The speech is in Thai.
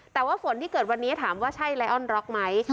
แต่ว่าฝนที่เกิดวันนี้ถามว่าใช่ไลออนร็อกไหม